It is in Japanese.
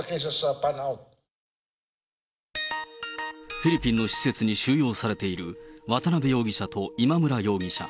フィリピンの施設に収容されている渡辺容疑者と今村容疑者。